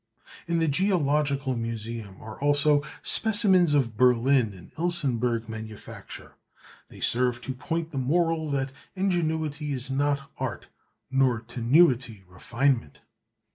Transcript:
In the Geological Museum are also specimens of Berlin and Ilsenburg manufacture; they serve to point the moral that ingenuity is not art, nor tenuity refinement.